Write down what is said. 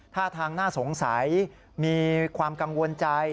ท่าทางน่าสงสัยมีความกังวลใจ